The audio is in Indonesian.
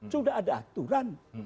sudah ada aturan